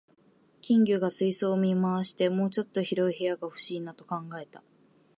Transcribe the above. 金魚が水槽を見回して、「もうちょっと広い部屋が欲しいな」と考えた